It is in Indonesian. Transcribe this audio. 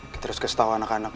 kita harus kasih tau anak anak